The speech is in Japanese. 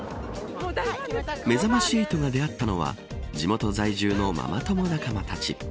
めざまし８が出会ったのは地元在住のママ友仲間たち。